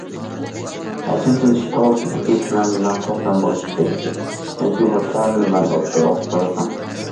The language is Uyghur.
رەسىم سېتىش توغرىسىدىكى پىلان مېنىڭ تۆھپەم بولۇشقا تېگىشلىك، چۈنكى، بۇ چارىنى مەن ئوتتۇرىغا قويغان.